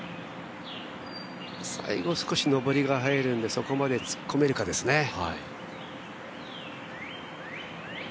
最後少し上りが入るんでそこまで突っ込めるかですね。